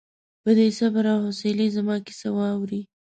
په ډېر صبر او حوصلې زما کیسه واورې.